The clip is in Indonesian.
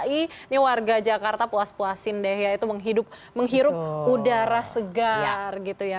ini warga jakarta puas puasin deh ya itu menghirup udara segar gitu ya